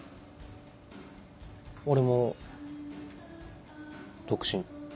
俺も独身。